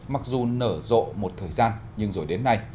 mặc dù nở rộ một thời gian nhưng rồi đến nay